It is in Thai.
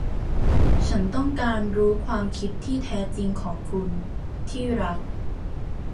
ฉันต้องการรู้ความคิดที่แท้จริงของคุณ ที่รัก